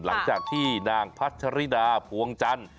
หลังจากที่นางพัชริดาพวงจันทร์